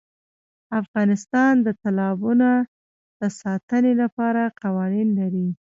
افغانستان د تالابونه د ساتنې لپاره قوانین لري.